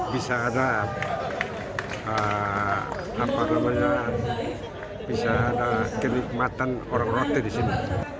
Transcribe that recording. bisa ada kenikmatan orang rote di sini